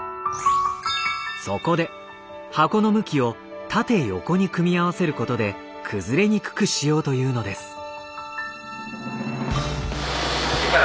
そこで箱の向きを縦横に組み合わせることで崩れにくくしようというのです。